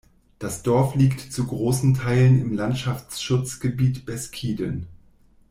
Das Dorf liegt zu großen Teilen im Landschaftsschutzgebiet Beskiden.